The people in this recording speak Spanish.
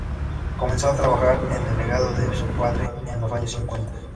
Comenzó a trabajar en el legado de su padre en los años cincuenta.